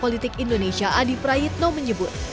politik indonesia adi prayitno menyebut